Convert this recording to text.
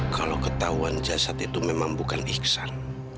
kalau ketahuan jasad itu memang bukan iksan